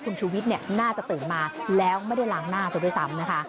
คุณชูวิทย์น่าจะตื่นมาแล้วไม่ได้ล้างหน้าเธอด้วยซ้ำนะคะ